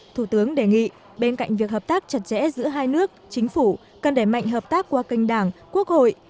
thủ tướng đề nghị bên cạnh việc hợp tác chặt chẽ giữa hai nước chính phủ cần đẩy mạnh hợp tác qua kênh đảng quốc hội